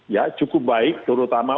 ya cukup baik terutama